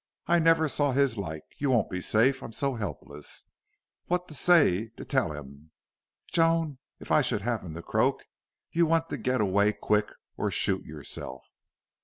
I never saw his like. You won't be safe. I'm so helpless.... What to say to tell him!... Joan, if I should happen to croak you want to get away quick... or shoot yourself."